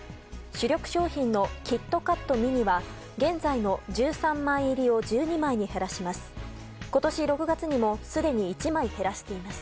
主力商品のキットカットミニは現在の１３枚入りを１２枚に減らします。